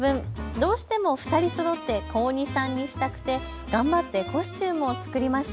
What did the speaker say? どうしても２人そろって子鬼さんにしたくて頑張ってコスチュームを作りました。